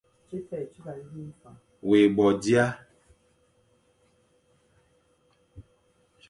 Wé bo dia,